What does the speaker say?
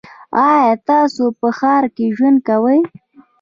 ایا تاسو په ښار کې ژوند کوی؟